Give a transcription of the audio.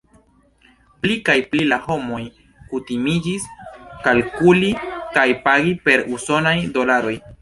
Pli kaj pli la homoj kutimiĝis kalkuli kaj pagi per usonaj dolaroj.